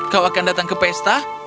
kau akan datang ke pesta